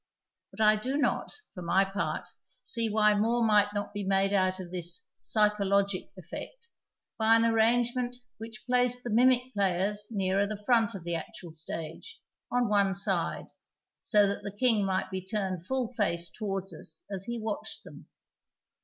But I do not, for my part, sec why more might not be made out of this " psycho logic " effect by an arrangement which placed the mimic players nearer the front of the actual stage, on one side, so that the King might be turned full face towards us as he watched them.